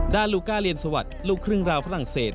ลูก้าเรียนสวัสดิ์ลูกครึ่งราวฝรั่งเศส